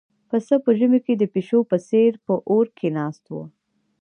پسه په ژمي کې د پيشو په څېر په اور کې ناست و.